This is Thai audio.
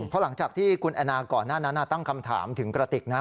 เพราะหลังจากที่คุณแอนนาก่อนหน้านั้นตั้งคำถามถึงกระติกนะ